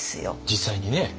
実際にね。